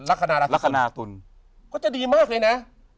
ลาศีตุลก็จะดีมากเลยนะ